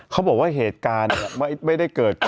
เขาบอกว่าเหตุการณ์ไม่ได้เกิด